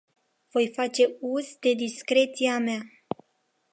Voi face uz de discreția mea.